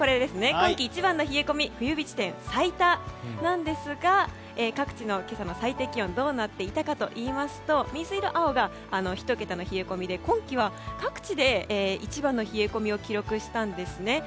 今季一番の冷え込み冬日地点最多なんですが各地の今朝の最低気温はどうなっていたかといいますと水色、青が１桁の冷え込みで今季は各地で一番の冷え込みを記録したんですね。